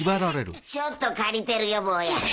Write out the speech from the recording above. ちょっと借りてるよ坊や。